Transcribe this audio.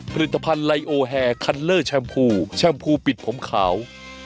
ผลิตภัณฑ์ไลโอแฮคันเลอร์แชมพูแชมพูปิดผมขาว